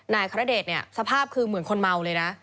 นายขระเดชน์สภาพคือเหมือนคนเมาเลยนะ